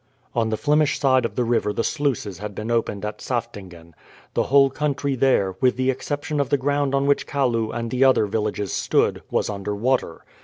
On the Flemish side of the river the sluices had been opened at Saftingen. The whole country there, with the exception of the ground on which Kalloo and the other villages stood, was under water.